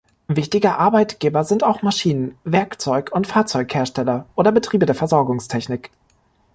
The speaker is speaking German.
Wichtige Arbeitgeber sind auch Maschinen-, Werkzeug- und Fahrzeughersteller oder Betriebe der Versorgungstechnik.